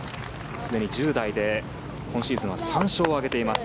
すでに１０代で、今シーズンは３勝を挙げています。